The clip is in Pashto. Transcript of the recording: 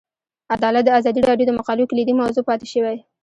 عدالت د ازادي راډیو د مقالو کلیدي موضوع پاتې شوی.